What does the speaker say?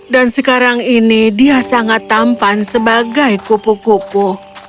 dan sekarang ini dia sangat tampan sebagai kupu kupu